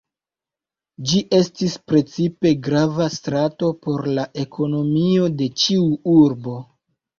Ĝi estis precipe grava strato por la ekonomio de ĉiu urbo.